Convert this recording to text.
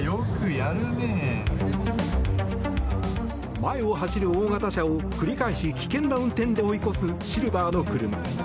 前を走る大型車を繰り返し危険な運転で追い越すシルバーの車。